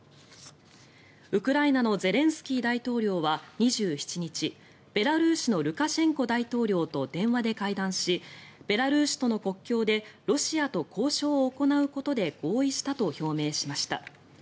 ウクライナのゼレンスキー大統領は２７日ベラルーシのルカシェンコ大統領と電話で会談しベラルーシとの国境でロシアと交渉を行うことで合意したと表明しました。